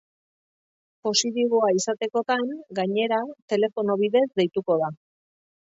Positiboa izatekotan, gainera, telefono bidez deituko da.